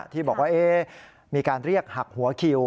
ที่บอกว่ามีการเรียกหักหัวคิว